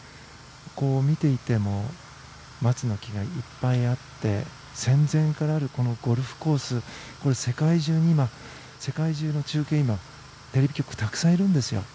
見ていても松の木がいっぱいあって戦前からあるこのゴルフコースこれ世界中に今、世界中の中継、テレビ局たくさんいるんですよ。